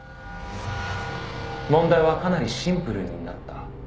「問題はかなりシンプルになった」